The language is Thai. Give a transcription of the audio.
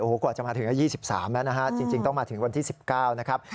กว่าจะมาถึง๒๓แล้วนะฮะจริงต้องมาถึงวันที่๑๙นะครับ